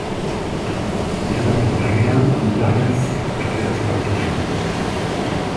Lehendakari berria indarrez botereaz jabetu zen.